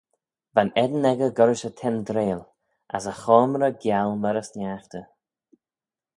Va'n eddin echey gollrish y tendreil, as e choamrey gial myr y sniaghtey.